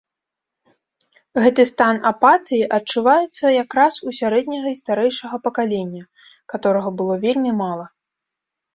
Гэты стан апатыі адчуваецца якраз у сярэдняга і старэйшага пакалення, каторага было вельмі мала.